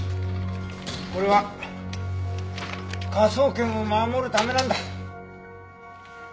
これは科捜研を守るためなんだ。